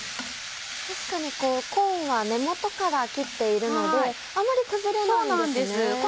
確かにコーンは根元から切っているのであんまり崩れないんですね。